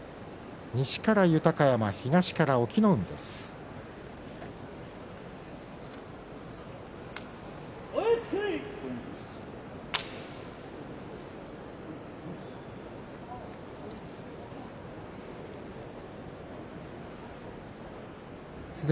西から豊山東から隠岐の海です。